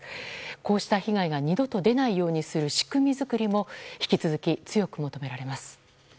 こうした被害が二度と出ないようにする仕組み作りも引き続き、強く求められます。